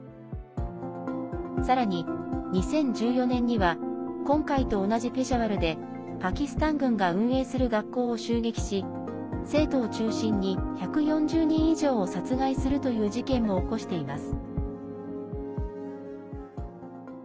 さらに、２０１４年には今回と同じペシャワルでパキスタン軍が運営する学校を襲撃し、生徒を中心に１４０人以上を殺害するという事件も起こしています。